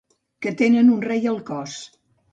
Que tenen un rei al cos.